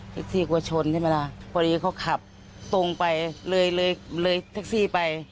ซี่กลัวชนใช่ไหมล่ะพอดีเขาขับตรงไปเลยเลยแท็กซี่ไป